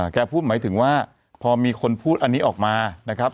แกพูดหมายถึงว่าพอมีคนพูดอันนี้ออกมานะครับ